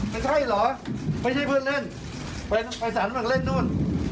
ไม่ใช่เหรอไม่ใช่เพื่อนเล่นฝั่งเล่นมันนู่น